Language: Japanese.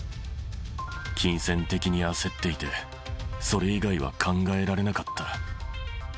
金銭的に焦っていて、それ以外は考えられなかった。